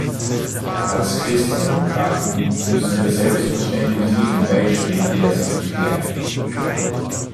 Als Christdemokraten müssen wir selbstverständlich jedem beistehen, der sich bekehrt.